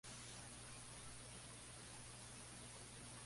Como jugador, ha sufrido lesiones de pie muchas veces.